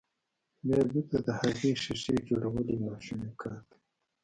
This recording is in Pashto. بيا بېرته د هغې ښيښې جوړول يو ناشونی کار دی.